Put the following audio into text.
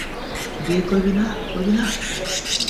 বিয়ে করবি না করবি না?